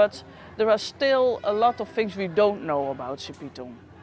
tetapi masih banyak hal yang tidak kita ketahui tentang si pitung